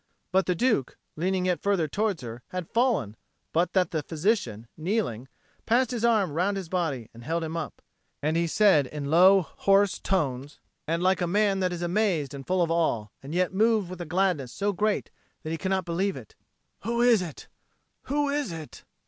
But the Duke, leaning yet further towards her, had fallen, but that the physician, kneeling, passed his arm round his body and held him up; and he said in low hoarse tones and like a man that is amazed and full of awe, and yet moved with a gladness so great that he cannot believe in it, "Who is it? Who is it?"